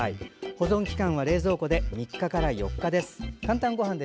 保存期間は冷蔵庫で３日から４日です。